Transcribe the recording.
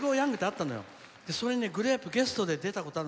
それにね、グレープゲストで出たことあるの。